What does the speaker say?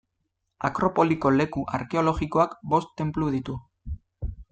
Akropoliko leku arkeologikoak bost tenplu ditu.